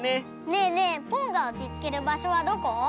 ねえねえポンがおちつける場所はどこ？